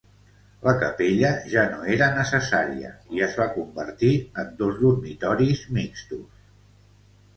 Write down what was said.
La capella ja no era necessària i es va convertir en dos dormitoris mixtos.